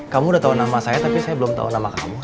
kamu udah tahu nama saya tapi saya belum tahu nama kamu